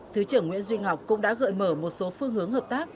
thứ trưởng nguyễn duy ngọc cũng đã gợi mở một số phương hướng hợp tác